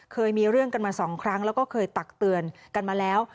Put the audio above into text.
เคยมีเรื่องกันมาสองครั้งแล้วก็เคยตักเตือนกันมาแล้ว